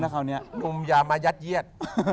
คุณอมอย่ามายัดเยียด